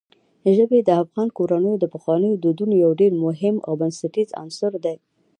ژبې د افغان کورنیو د پخوانیو دودونو یو ډېر مهم او بنسټیز عنصر دی.